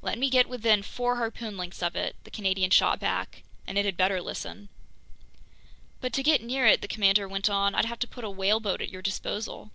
"Let me get within four harpoon lengths of it," the Canadian shot back, "and it had better listen!" "But to get near it," the commander went on, "I'd have to put a whaleboat at your disposal?"